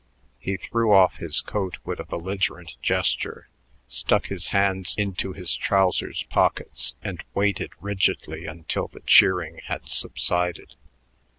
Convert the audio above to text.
He threw off his coat with a belligerent gesture, stuck his hands into his trousers pockets, and waited rigidly until the cheering had subsided.